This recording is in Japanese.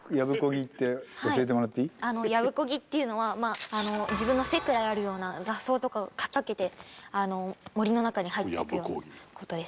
漕ぎっていうのはまあ自分の背くらいあるような雑草とかをかき分けて森の中に入っていくような事でして。